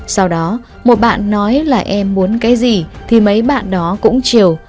sau đó một bạn nói là em muốn cái gì thì mấy bạn đó cũng chiều